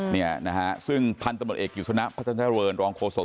เนี่ยนะฮะซึ่งพันธุ์ตำรวจเอกสุนัขพระธุรกิจรวรรณรองโคศก